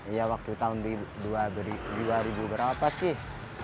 iya waktu tahun dua ribu berapa sih